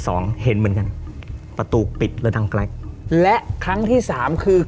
เห็นเหมือนกันประตูปิดระดังแกรกและครั้งที่สามคือ